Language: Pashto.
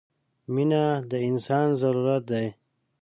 • مینه د انسان ضرورت دی.